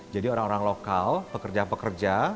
jadi orang orang lokal pekerja pekerja